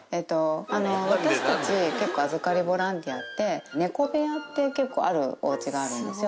私たち、結構預かりボランティアって、猫部屋って結構、あるおうちがあるんですよ。